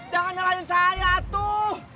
jangan nyalahin saya tuh